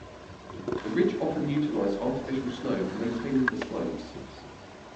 The Ridge often utilize artificial snow for maintaining the slopes.